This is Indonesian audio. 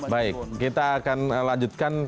baik kita akan lanjutkan